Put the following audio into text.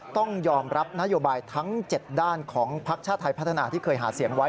ต้องยอมรับนโยบายทั้ง๗ด้านของพักชาติไทยพัฒนาที่เคยหาเสียงไว้